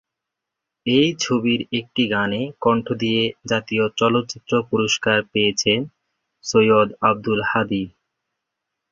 এই ছবির একটি গানে কণ্ঠ দিয়ে জাতীয় চলচ্চিত্র পুরস্কার পেয়েছেন সৈয়দ আব্দুল হাদী।